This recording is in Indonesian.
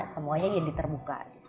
semuanya jadi terbuka